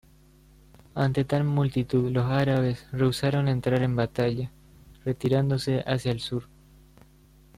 Ante tal multitud, los árabes rehusaron entrar en batalla, retirándose hacia el sur.